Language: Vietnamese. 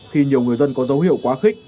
khi nhiều người dân có dấu hiệu quá khích